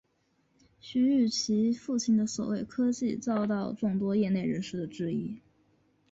徐与其父亲的所谓科技遭到众多业内人士的质疑。